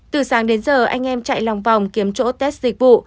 từ sáng đến giờ anh em chạy lòng vòng kiếm chỗ tết dịch vụ